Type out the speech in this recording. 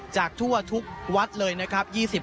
จากทั่วทุกวัดเลยนะครับ